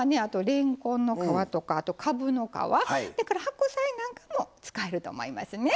れんこんの皮とかあとかぶの皮白菜なんかも使えると思いますね。